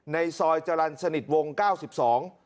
ในซอยจรรสนิทวง๙๒